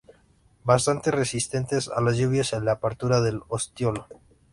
Bastante resistentes a las lluvias y a la apertura del ostiolo.